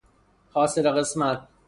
حاصل قسمت